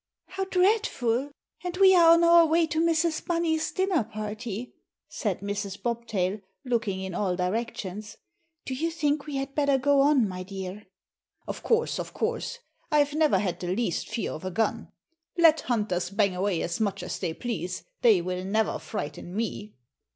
"How dreadful! And we are on our way to Mrs. Bunny's dinner party," said Mrs. Bobtail, looking in all directions; "do you think we had better go on, my dear?" "Of course! Of course! I've never had the least fear of a gun! Let hunters bang away as much as they please, they will never frighten me."